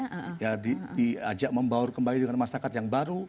dan mereka bisa diajak membawa kembali dengan masyarakat yang baru